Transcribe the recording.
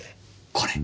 これ。